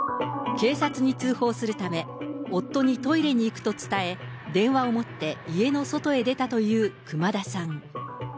警察に通報するため、夫にトイレに行くと伝え、電話を持って家の外へ出たという熊田さん。